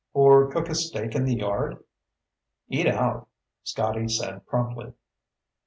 Or cook a steak in the yard?" "Eat out," Scotty said promptly.